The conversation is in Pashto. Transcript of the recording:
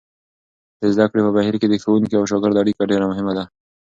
د زده کړې په بهیر کې د ښوونکي او شاګرد اړیکه ډېره مهمه ده.